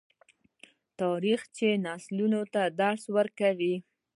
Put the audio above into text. تاریخ چې نسلونو ته درس ورکوي.